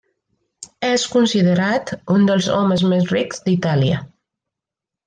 És considerat un dels homes més rics d'Itàlia.